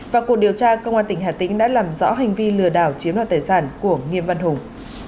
và cuộc điều tra công an tỉnh hà tĩnh đã làm rõ hành vi lừa đảo chiếm đoạt tài sản của nghiêm văn hùng